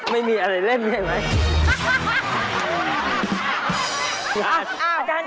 ไม่มีอะไรเล่นใช่ไหม